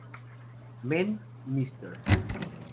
Men, "Mr.